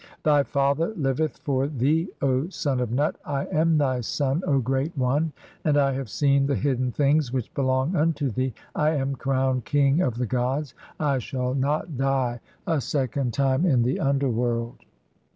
Thy father liveth "for thee, O son of Nut ; I am thy son, O Great One, and I "have seen the hidden things (6) which belong unto thee. I am "crowned king of the gods, I shall not die a second time in "the underworld."